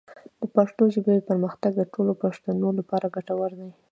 د پښتو ژبې پرمختګ د ټولو پښتنو لپاره ګټور دی.